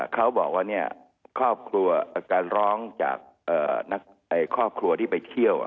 เขาบอกว่าครอบครัวการร้องจากนักครอบครัวที่ไปเที่ยว